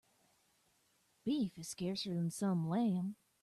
Beef is scarcer than some lamb.